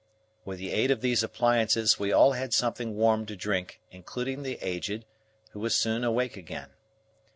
With the aid of these appliances we all had something warm to drink, including the Aged, who was soon awake again.